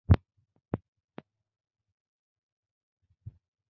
জানো ওরা বিমানে চড়লে মনে ভয় কাজ করে।